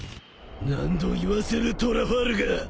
何度言わせるトラファルガー。